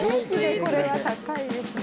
これは高いですね。